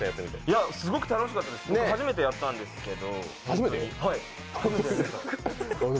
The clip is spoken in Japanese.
すごく楽しかったです、初めてやったんですけど。